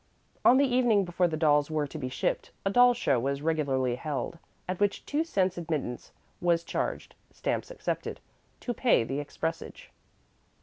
On the evening before the dolls were to be shipped a doll show was regularly held, at which two cents admittance was charged (stamps accepted) to pay the expressage.